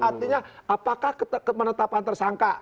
artinya apakah kemenetapan tersangka